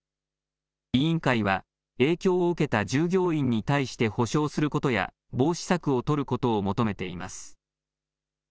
委員会は影響を受けた従業員に対して補償することや防止策を取ることを求めています。